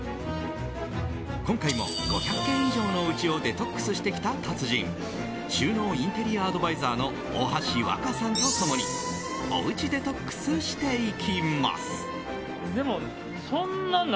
今回も５００軒以上のおうちをデトックスしてきた達人収納インテリアアドバイザーの大橋わかさんと共におうちデトックスしていきます。